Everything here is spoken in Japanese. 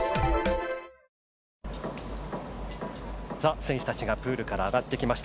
選手たちがプールから上がってきました。